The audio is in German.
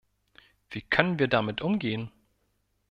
Wie können wir damit umgehen?